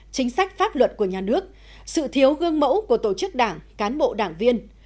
chính sách pháp luật của nhà nước sự thiếu gương mẫu của tổ chức đảng cán bộ đảng viên